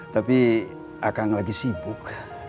tapi kang lagi sibuk